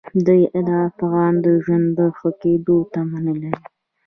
دوی د افغان د ژوند د ښه کېدو تمه نه لري.